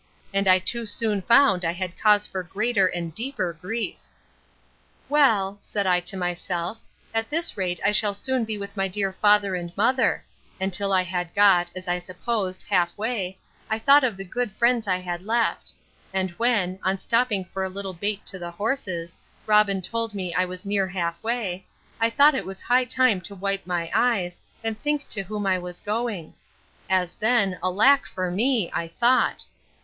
And I too soon found I had cause for greater and deeper grief. Well, said I to myself, at this rate I shall soon be with my dear father and mother; and till I had got, as I supposed, half way, I thought of the good friends I had left: And when, on stopping for a little bait to the horses, Robin told me I was near half way, I thought it was high time to wipe my eyes, and think to whom I was going; as then, alack for me! I thought.